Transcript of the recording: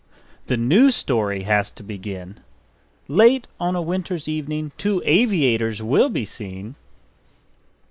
The new story has to begin: "Late on a winter's evening two aviators will be seen